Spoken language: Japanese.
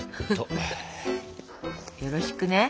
よろしくね。